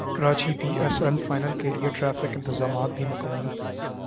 Karachi P S L final کیلئے traffic انتظامات بھی مکمل